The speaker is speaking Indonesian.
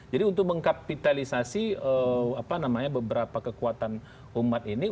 jadi untuk mengkapitalisasi beberapa kekuatan umat ini